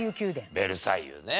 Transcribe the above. ヴェルサイユね。